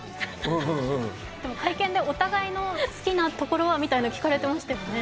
でも会見でお互いの好きなところは？と聞かれてましたよね。